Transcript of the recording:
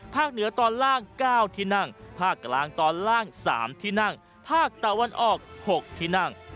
เหนือตอนล่าง๙ที่นั่งภาคกลางตอนล่าง๓ที่นั่งภาคตะวันออก๖ที่นั่ง